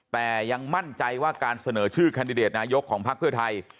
แต่ยังมั่นใจว่าการเสนอชื่อแคนดิเดตนายกของพักเพื่อไทย